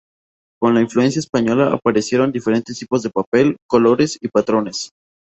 Con la influencia española aparecieron diferentes tipos de papel, colores y patrones.